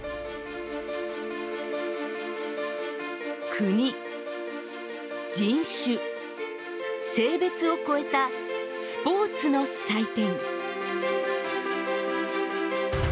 国、人種性別を超えたスポーツの祭典。